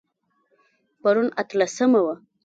پرون اتلسمه وه